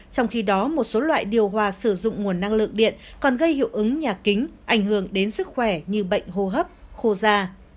trong khi đó một số loại điều hòa sử dụng nguồn năng lượng điện còn gây hiệu ứng nhà kính ảnh hưởng đến sức khỏe như bệnh hô hấp khô da